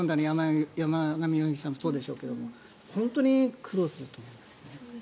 山上容疑者もそうでしょうけど本当に苦労すると思います。